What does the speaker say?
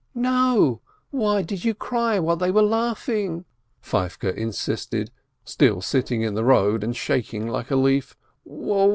"No ! Why did you cry, while they were laughing ?" Feivke insisted, still sitting in the road and shaking' like a leaf.